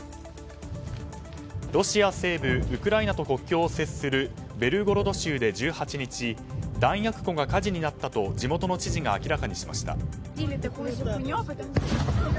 ロシア西部ウクライナと国境を制するベルゴロド州で１８日弾薬庫が火事になったと地元の知事が明らかにしました。